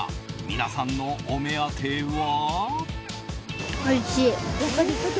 皆さんのお目当ては。